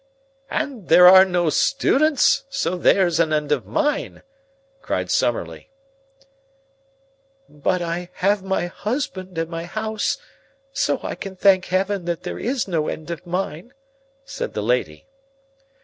"And there are no students, so there's an end of mine," cried Summerlee. "But I have my husband and my house, so I can thank heaven that there is no end of mine," said the lady.